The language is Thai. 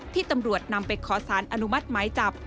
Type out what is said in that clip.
ที่ตำรวจนำไปขอสารอนุมัติหมายจับ